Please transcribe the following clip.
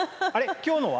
今日のは？